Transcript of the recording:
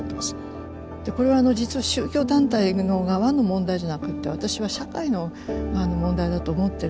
でこれは実は宗教団体の側の問題じゃなくて私は社会の問題だと思ってるんです。